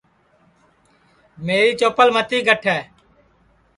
میری چوپل متی گٹھے